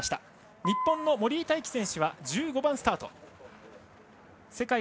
日本の森井大輝選手は１５番スタートです。